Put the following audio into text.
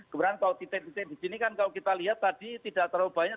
kemudian kalau titik titik di sini kan kalau kita lihat tadi tidak terlalu banyak